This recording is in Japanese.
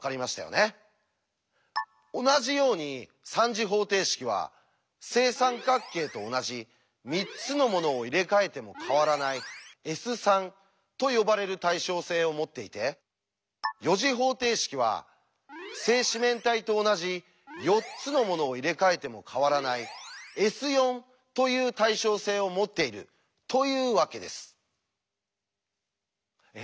同じように３次方程式は正三角形と同じ３つのものを入れ替えても変わらない「Ｓ」と呼ばれる対称性を持っていて４次方程式は正四面体と同じ４つのものを入れ替えても変わらない「Ｓ」という対称性を持っているというわけです。え？